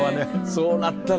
そうなったら。